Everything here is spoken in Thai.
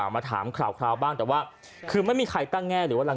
มาถามคราวบ้างดีแต่ว่า